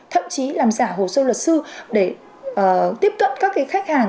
thậm chí làm giả hồ sơ luật sư để tiếp cận các khách hàng